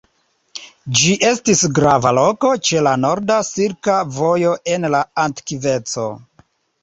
Ĝi estis grava loko ĉe la norda Silka Vojo en la antikveco.